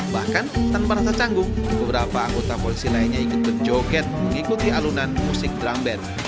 bahkan tanpa rasa canggung beberapa anggota polisi lainnya ikut berjoget mengikuti alunan musik drum band